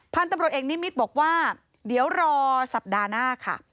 พันธุ์ตำรวจเอกนิมิตรบอกว่าเดี๋ยวรอสัปดาห์หน้าค่ะ